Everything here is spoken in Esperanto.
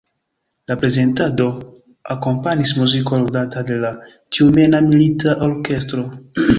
La prezentadon akompanis muziko ludata de la tjumena milita orkestro.